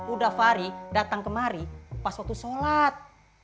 udah fari datang kemari pas waktu sholat